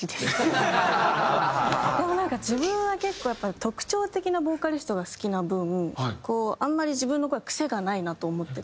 でも自分は特徴的なボーカリストが好きな分あんまり自分の声は癖がないなと思ってて。